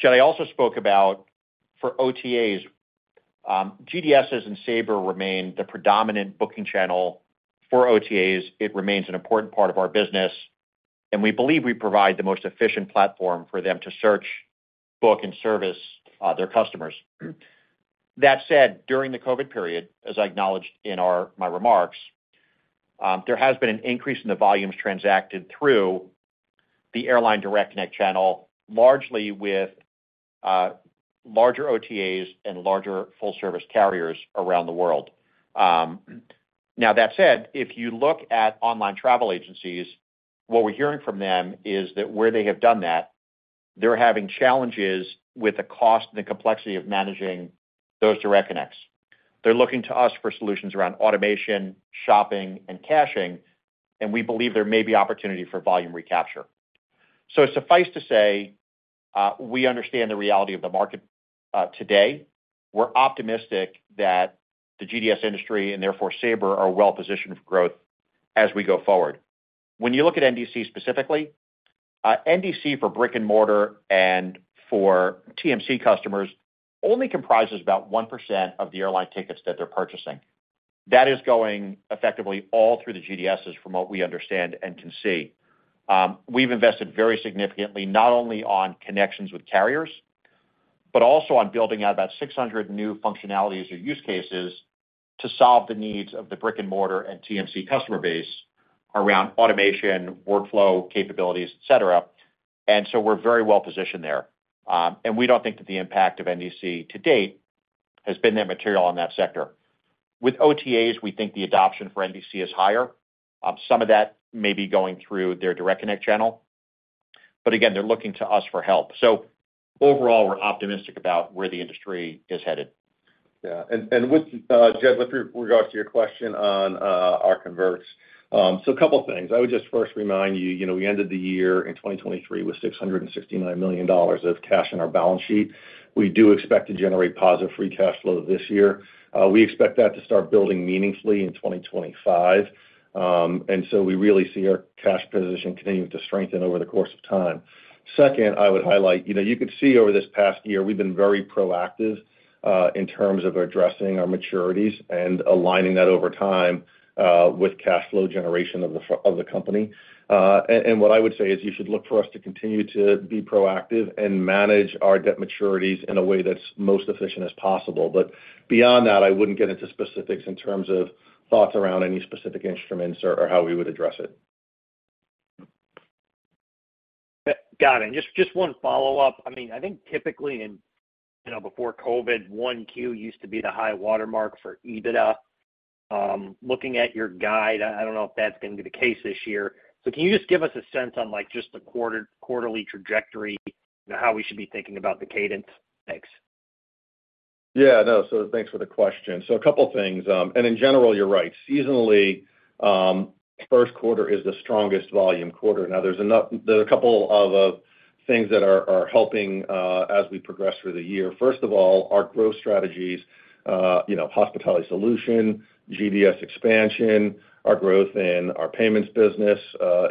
Jed, I also spoke about for OTAs, GDSs and Sabre remain the predominant booking channel for OTAs. It remains an important part of our business, and we believe we provide the most efficient platform for them to search, book, and service their customers. That said, during the COVID period, as I acknowledged in my remarks, there has been an increase in the volumes transacted through the airline direct connect channel, largely with larger OTAs and larger full-service carriers around the world. Now, that said, if you look at online travel agencies, what we're hearing from them is that where they have done that, they're having challenges with the cost and the complexity of managing those direct connects. They're looking to us for solutions around automation, shopping, and caching. We believe there may be opportunity for volume recapture. Suffice to say, we understand the reality of the market today. We're optimistic that the GDS industry and therefore Sabre are well-positioned for growth as we go forward. When you look at NDC specifically, NDC for brick and mortar and for TMC customers only comprises about 1% of the airline tickets that they're purchasing. That is going effectively all through the GDSs, from what we understand and can see. We've invested very significantly not only on connections with carriers, but also on building out about 600 new functionalities or use cases to solve the needs of the brick and mortar and TMC customer base around automation, workflow capabilities, etc. And so we're very well-positioned there. And we don't think that the impact of NDC to date has been that material on that sector. With OTAs, we think the adoption for NDC is higher. Some of that may be going through their direct connect channel. But again, they're looking to us for help. So overall, we're optimistic about where the industry is headed. Yeah. And Jed, with regard to your question on our converts, so a couple of things. I would just first remind you, we ended the year in 2023 with $669 million of cash in our balance sheet. We do expect to generate positive Free Cash Flow this year. We expect that to start building meaningfully in 2025. And so we really see our cash position continuing to strengthen over the course of time. Second, I would highlight, you could see over this past year, we've been very proactive in terms of addressing our maturities and aligning that over time with cash flow generation of the company. And what I would say is you should look for us to continue to be proactive and manage our debt maturities in a way that's most efficient as possible. But beyond that, I wouldn't get into specifics in terms of thoughts around any specific instruments or how we would address it. Got it. And just one follow-up. I mean, I think typically before COVID, 1Q used to be the high watermark for EBITDA. Looking at your guide, I don't know if that's going to be the case this year. So can you just give us a sense on just the quarterly trajectory, how we should be thinking about the cadence? Thanks. Yeah. No. So thanks for the question. So a couple of things. And in general, you're right. Seasonally, first quarter is the strongest volume quarter. Now, there's a couple of things that are helping as we progress through the year. First of all, our growth strategies, Hospitality Solutions, GDS expansion, our growth in our payments business,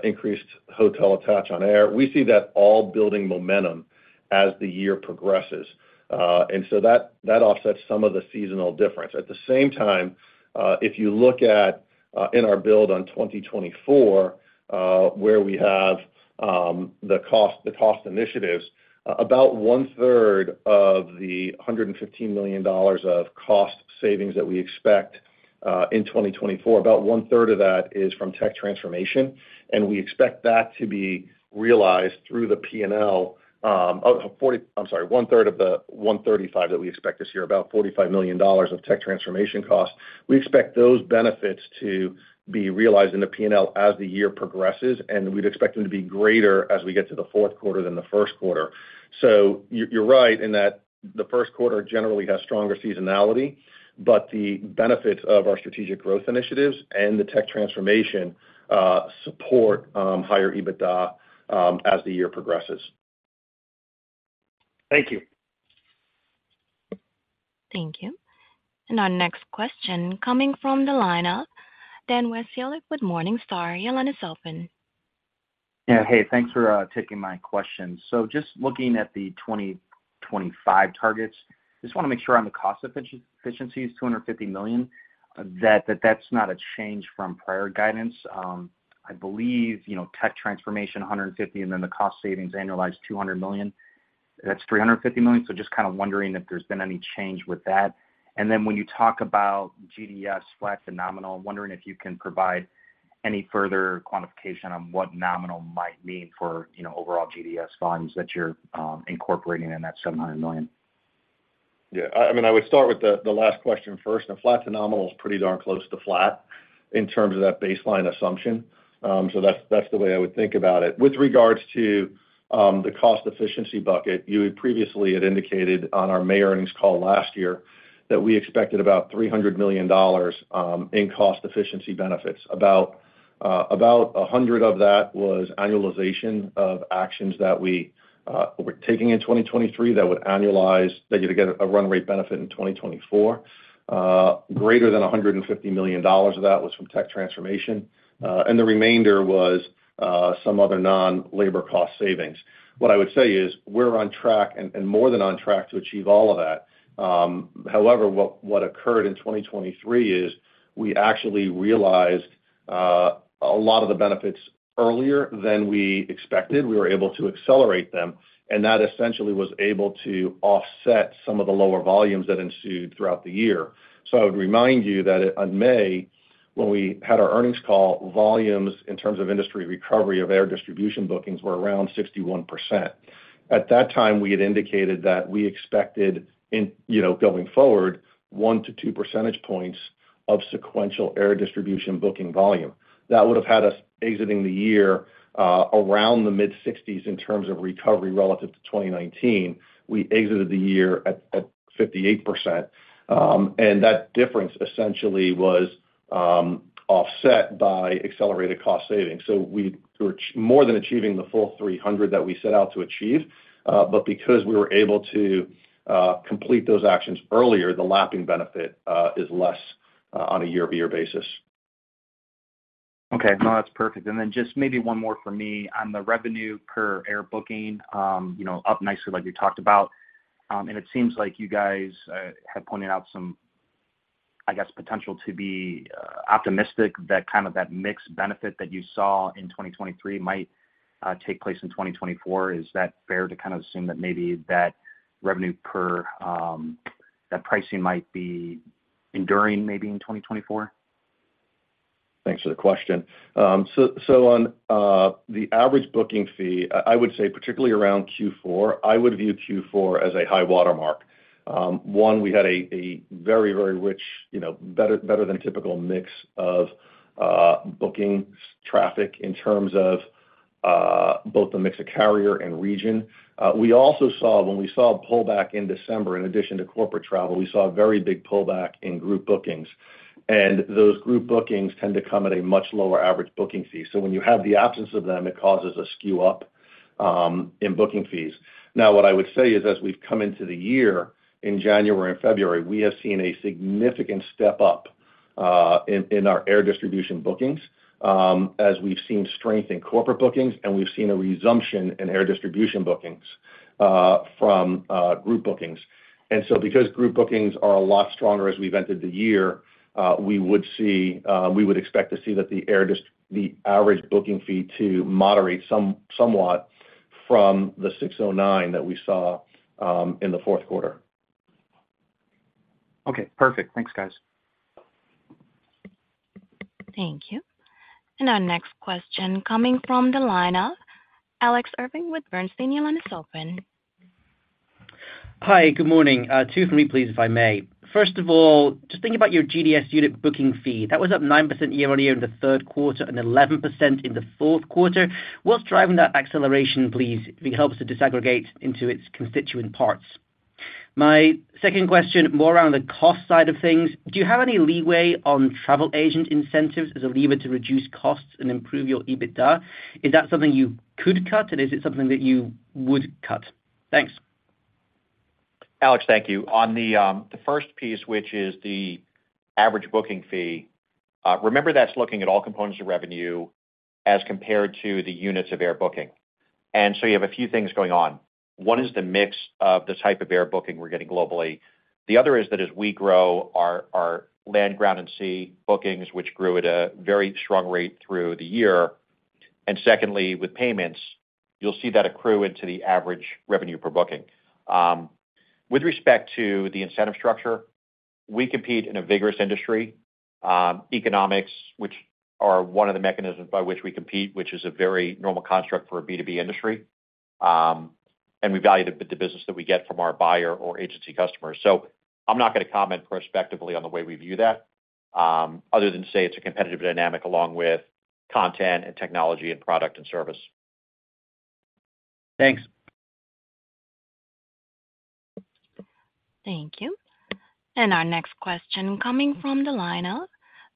increased hotel attach on air. We see that all building momentum as the year progresses. And so that offsets some of the seasonal difference. At the same time, if you look at in our build on 2024, where we have the cost initiatives, about one-third of the $115 million of cost savings that we expect in 2024, about one-third of that is from tech transformation. And we expect that to be realized through the P&L of I'm sorry, one-third of the $135 that we expect this year, about $45 million of tech transformation costs. We expect those benefits to be realized in the P&L as the year progresses. And we'd expect them to be greater as we get to the fourth quarter than the first quarter. So you're right in that the first quarter generally has stronger seasonality. But the benefits of our strategic growth initiatives and the tech transformation support higher EBITDA as the year progresses. Thank you. Thank you. And our next question coming from the lineup, Dan Wasiolek, Morningstar, your line is open. Yeah. Hey. Thanks for taking my question. So just looking at the 2025 targets, I just want to make sure on the cost efficiencies, $250 million, that that's not a change from prior guidance. I believe tech transformation $150 and then the cost savings annualized $200 million, that's $350 million. So just kind of wondering if there's been any change with that. And then when you talk about GDS flat to nominal, I'm wondering if you can provide any further quantification on what nominal might mean for overall GDS volumes that you're incorporating in that $700 million. Yeah. I mean, I would start with the last question first. And flat to nominal is pretty darn close to flat in terms of that baseline assumption. So that's the way I would think about it. With regards to the cost efficiency bucket, you previously had indicated on our May earnings call last year that we expected about $300 million in cost efficiency benefits. About $100 million of that was annualization of actions that we were taking in 2023 that would annualize that you'd get a run rate benefit in 2024. Greater than $150 million of that was from tech transformation. And the remainder was some other non-labor cost savings. What I would say is we're on track and more than on track to achieve all of that. However, what occurred in 2023 is we actually realized a lot of the benefits earlier than we expected. We were able to accelerate them. That essentially was able to offset some of the lower volumes that ensued throughout the year. I would remind you that in May, when we had our earnings call, volumes in terms of industry recovery of air distribution bookings were around 61%. At that time, we had indicated that we expected going forward 1-2 percentage points of sequential air distribution booking volume. That would have had us exiting the year around the mid-60s in terms of recovery relative to 2019. We exited the year at 58%. That difference essentially was offset by accelerated cost savings. We were more than achieving the full 300 that we set out to achieve. But because we were able to complete those actions earlier, the lapping benefit is less on a year-over-year basis. Okay. No, that's perfect. And then just maybe one more for me on the revenue per air booking, up nicely like you talked about. And it seems like you guys had pointed out some, I guess, potential to be optimistic that kind of that mixed benefit that you saw in 2023 might take place in 2024. Is that fair to kind of assume that maybe that revenue per that pricing might be enduring maybe in 2024? Thanks for the question. So on the average booking fee, I would say particularly around Q4, I would view Q4 as a high watermark. One, we had a very, very rich, better-than-typical mix of booking traffic in terms of both the mix of carrier and region. We also saw when we saw a pullback in December, in addition to corporate travel, we saw a very big pullback in group bookings. And those group bookings tend to come at a much lower average booking fee. So when you have the absence of them, it causes a skew up in booking fees. Now, what I would say is as we've come into the year, in January and February, we have seen a significant step up in our air distribution bookings as we've seen strength in corporate bookings, and we've seen a resumption in air distribution bookings from group bookings. And so because group bookings are a lot stronger as we've entered the year, we would expect to see that the average booking fee to moderate somewhat from the $609 that we saw in the fourth quarter. Okay. Perfect. Thanks, guys. Thank you. Our next question coming from the lineup, Alex Irving with Bernstein, your line is open. Hi. Good morning. Two from me, please, if I may. First of all, just thinking about your GDS unit booking fee, that was up 9% year-over-year in the third quarter and 11% in the fourth quarter. What's driving that acceleration, please? If you can help us to disaggregate into its constituent parts. My second question, more around the cost side of things, do you have any leeway on travel agent incentives as a lever to reduce costs and improve your EBITDA? Is that something you could cut, and is it something that you would cut? Thanks. Alex, thank you. On the first piece, which is the average booking fee, remember that's looking at all components of revenue as compared to the units of air booking. And so you have a few things going on. One is the mix of the type of air booking we're getting globally. The other is that as we grow, our land, ground, and sea bookings, which grew at a very strong rate through the year. And secondly, with payments, you'll see that accrue into the average revenue per booking. With respect to the incentive structure, we compete in a vigorous industry. Economics, which are one of the mechanisms by which we compete, which is a very normal construct for a B2B industry. And we value the business that we get from our buyer or agency customers. I'm not going to comment prospectively on the way we view that other than say it's a competitive dynamic along with content and technology and product and service. Thanks. Thank you. Our next question coming from the lineup,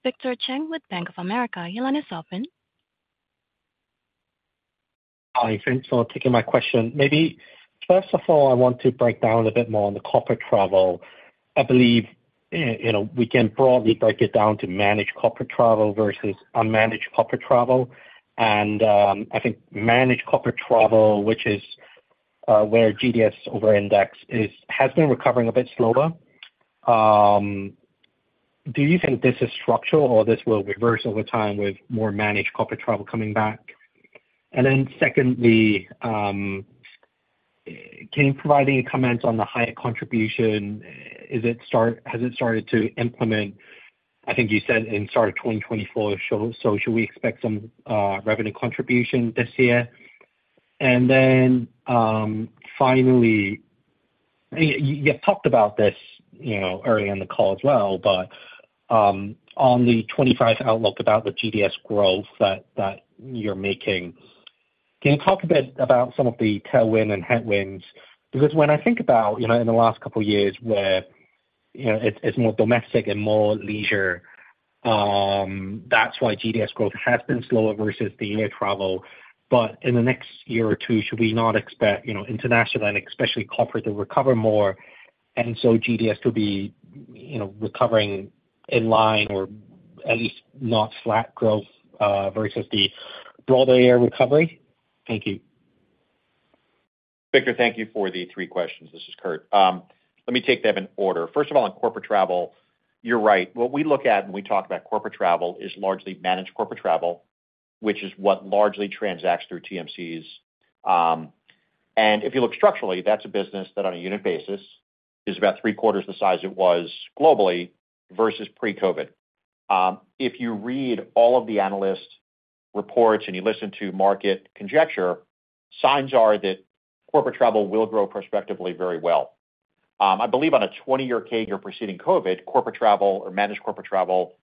Victor Cheng with Bank of America, your line is open. Hi, thanks for taking my question. Maybe first of all, I want to break down a bit more on the corporate travel. I believe we can broadly break it down to managed corporate travel versus unmanaged corporate travel. And I think managed corporate travel, which is where GDS overindex, has been recovering a bit slower. Do you think this is structural, or this will reverse over time with more managed corporate travel coming back? And then secondly, can you provide any comments on the Hyatt contribution? Has it started to implement? I think you said at start of 2024, so should we expect some revenue contribution this year? And then finally, you've talked about this early on the call as well, but on the 2025 outlook about the GDS growth that you're making, can you talk a bit about some of the tailwind and headwinds? Because when I think about in the last couple of years where it's more domestic and more leisure, that's why GDS growth has been slower versus the air travel. But in the next year or two, should we not expect international and especially corporate to recover more and so GDS to be recovering in line or at least not flat growth versus the broader air recovery? Thank you. Victor, thank you for the 3 questions. This is Kurt. Let me take them in order. First of all, on corporate travel, you're right. What we look at when we talk about corporate travel is largely managed corporate travel, which is what largely transacts through TMCs. And if you look structurally, that's a business that on a unit basis is about three-quarters the size it was globally versus pre-COVID. If you read all of the analyst reports and you listen to market conjecture, signs are that corporate travel will grow prospectively very well. I believe on a 20-year CAGR or preceding COVID, corporate travel or managed corporate travel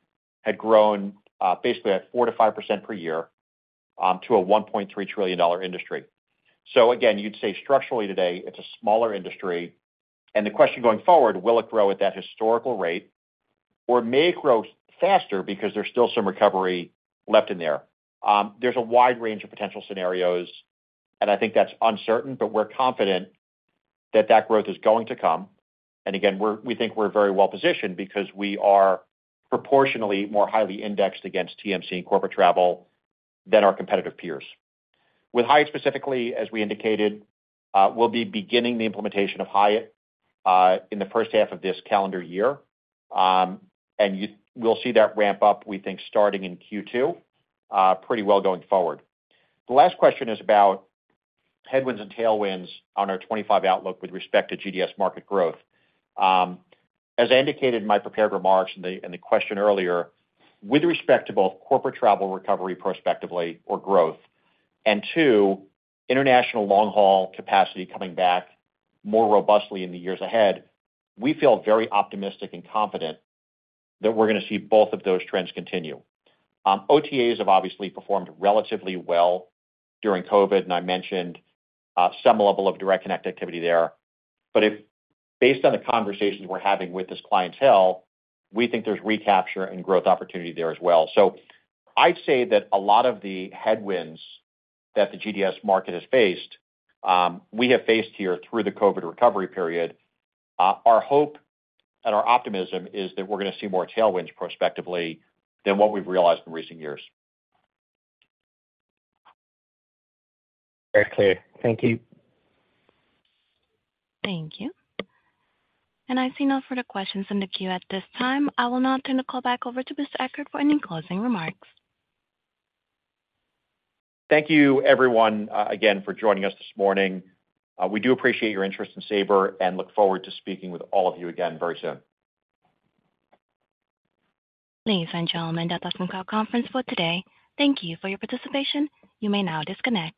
had grown basically at 4%-5% per year to a $1.3 trillion industry. So again, you'd say structurally today, it's a smaller industry. The question going forward, will it grow at that historical rate or may it grow faster because there's still some recovery left in there? There's a wide range of potential scenarios. And I think that's uncertain, but we're confident that that growth is going to come. And again, we think we're very well positioned because we are proportionally more highly indexed against TMC and corporate travel than our competitive peers. With Hyatt specifically, as we indicated, we'll be beginning the implementation of Hyatt in the first half of this calendar year. And we'll see that ramp up, we think, starting in Q2, pretty well going forward. The last question is about headwinds and tailwinds on our 2025 outlook with respect to GDS market growth. As I indicated in my prepared remarks and the question earlier, with respect to both corporate travel recovery prospectively or growth, and two, international long-haul capacity coming back more robustly in the years ahead, we feel very optimistic and confident that we're going to see both of those trends continue. OTAs have obviously performed relatively well during COVID, and I mentioned some level of direct connect activity there. But based on the conversations we're having with this clientele, we think there's recapture and growth opportunity there as well. So I'd say that a lot of the headwinds that the GDS market has faced, we have faced here through the COVID recovery period. Our hope and our optimism is that we're going to see more tailwinds prospectively than what we've realized in recent years. Very clear. Thank you. Thank you. I see no further questions in the queue at this time. I will now turn the call back over to Mr. Ekert for any closing remarks. Thank you, everyone, again, for joining us this morning. We do appreciate your interest and Sabre and look forward to speaking with all of you again very soon. Ladies and gentlemen, that does conclude our conference for today. Thank you for your participation. You may now disconnect.